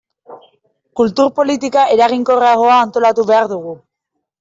Kultur politika eraginkorragoa antolatu behar dugu.